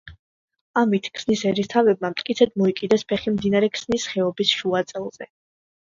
ამით ქსნის ერისთავებმა მტკიცედ მოიკიდეს ფეხი მდინარე ქსნის ხეობის შუა წელზე.